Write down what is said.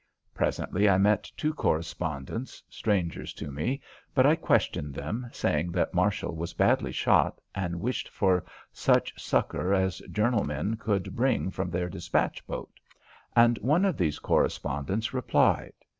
Presently I met two correspondents, strangers to me, but I questioned them, saying that Marshall was badly shot and wished for such succour as Journal men could bring from their despatch boat. And one of these correspondents replied.